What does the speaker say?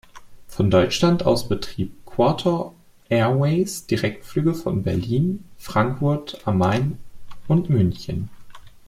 Von Deutschland aus betrieb Qatar Airways Direktflüge von Berlin, Frankfurt am Main und München.